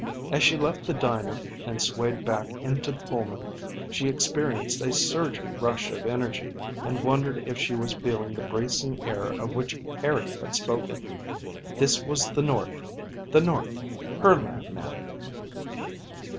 As she left the diner and swayed back into the Pullman she experienced a surging rush of energy and wondered if she was feeling the bracing air of which Harry had spoken. This was the North, the North her land now!